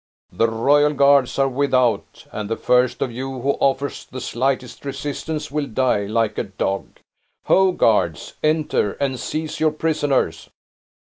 The royal guards are without; and the first of you who offers the slightest resistance will die like a dog! Ho, guards! enter, and seize your prisoners!"